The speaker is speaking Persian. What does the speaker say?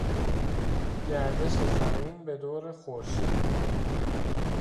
گردش زمین بدور خورشید